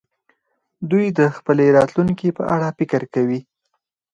دوی د خپلې راتلونکې په اړه فکر کوي.